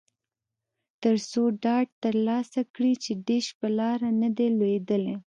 ترڅو ډاډ ترلاسه کړي چې ډیش په لاره نه دی لویدلی